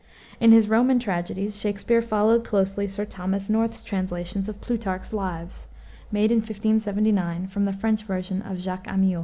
In his Roman tragedies Shakspere followed closely Sir Thomas North's translation of Plutarch's Lives, made in 1579 from the French version of Jacques Amyot.